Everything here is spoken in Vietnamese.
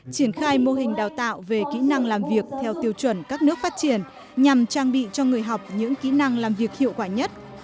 triển khai mô hình đào tạo về kỹ năng làm việc theo tiêu chuẩn các nước phát triển nhằm trang bị cho người học những kỹ năng làm việc hiệu quả nhất